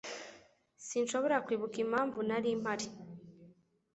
S Sinshobora kwibuka impamvu nari mpari